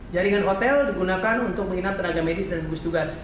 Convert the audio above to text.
jaringan hotel digunakan untuk menginap tenaga medis dan gugus tugas